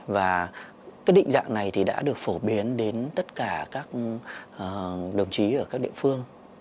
và các định dạng này đã được phổ biến đến tất cả các đồng chí ở các địa phương